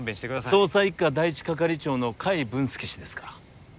捜査一課第一係長の甲斐文助氏ですか？